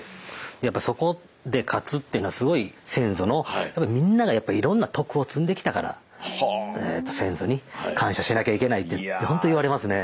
「やっぱそこで勝つっていうのはすごい先祖のみんながいろんな徳を積んできたから先祖に感謝しなきゃいけない」ってほんと言われますね。